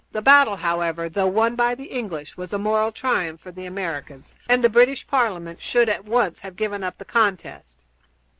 The battle, however, though won by the English, was a moral triumph for the Americans, and the British Parliament should at once have given up the contest.